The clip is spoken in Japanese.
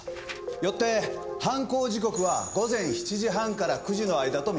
よって犯行時刻は午前７時半から９時の間と見られます。